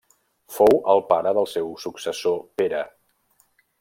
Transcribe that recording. Fou el pare del seu successor Pere.